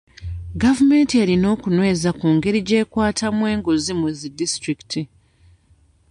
Gavumenti erina okunyweza ku ngeri gy'ekwatamu enguzi mu zi disitulikiti.